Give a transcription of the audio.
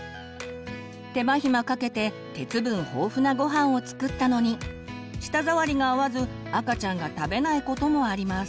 手間暇かけて鉄分豊富なごはんを作ったのに舌触りが合わず赤ちゃんが食べないこともあります。